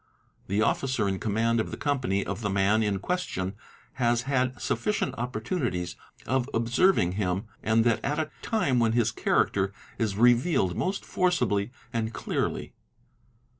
The — officer in command of the company of the man in question has.had sufficient opportunities of observing him and that at a time when his — character is revealed most forcibly and clearly.